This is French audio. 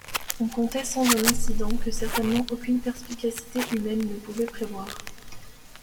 On comptait sans un incident, que certainement aucune perspicacité humaine ne pouvait prévoir.